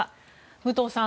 武藤さん